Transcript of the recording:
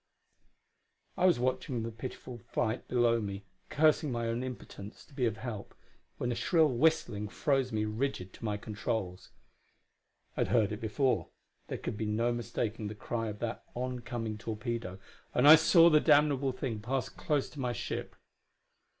I was watching the pitiful flight below me, cursing my own impotence to be of help, when a shrill whistling froze me rigid to my controls. I had heard it before there could be no mistaking the cry of that oncoming torpedo and I saw the damnable thing pass close to my ship.